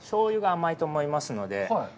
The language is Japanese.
醤油が甘いと思いますので。